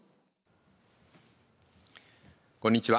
こんにちは。